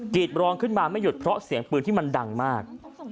ดรองขึ้นมาไม่หยุดเพราะเสียงปืนที่มันดังมาก